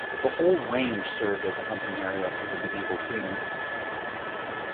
The whole range served as the hunting area for the medieval kings.